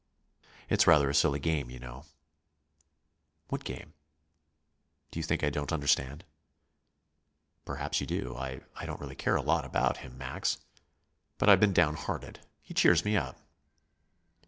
"It's rather a silly game, you know." "What game?" "Do you think I don't understand?" "Perhaps you do. I I don't really care a lot about him, Max. But I've been down hearted. He cheers me up."